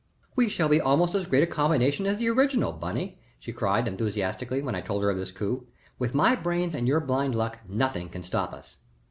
"We shall be almost as great a combination as the original Bunny," she cried, enthusiastically, when I told her of this coup. "With my brains and your blind luck nothing can stop us."